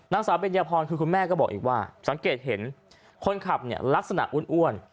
นักศึกษาเป็นเยพรคือคุณแม่ก็บอกอีกว่าสังเกตเห็นคนขับลักษณะอุ้น